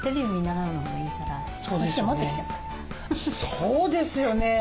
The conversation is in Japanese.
そうですよね。